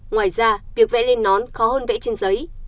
ngoài ra việc vẽ lên nón khó hơn vẽ trên giấy